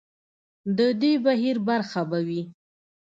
د دې بهیر برخه به وي.